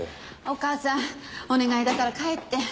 お母さんお願いだから帰って。